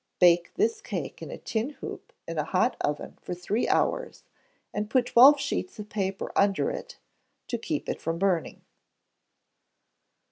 Bake this cake in a tin hoop, in a hot oven, for three hours, and put twelve sheets of paper under it to keep it from burning.